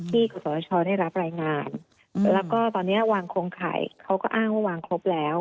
กศชได้รับรายงานแล้วก็ตอนนี้วางโครงข่ายเขาก็อ้างว่าวางครบแล้ว